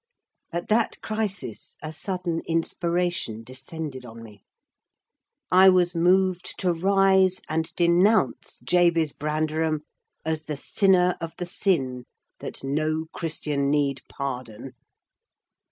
At that crisis, a sudden inspiration descended on me; I was moved to rise and denounce Jabez Branderham as the sinner of the sin that no Christian need pardon.